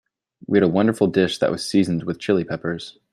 We had a wonderful dish that was seasoned with Chili Peppers.